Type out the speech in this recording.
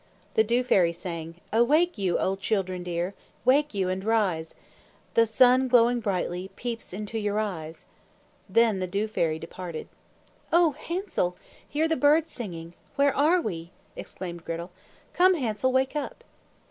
The Dew Fairy sang, "Awake you, O children dear, Wake you and rise! The sun glowing brightly, peeps Into your eyes!" Then the Dew Fairy departed. "O Hansel! Hear the birds singing! Where are we?" exclaimed Gretel. "Come, Hansel, wake up!"